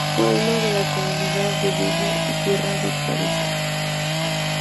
Pueblo de la Comunidad de Villa y Tierra de Caracena.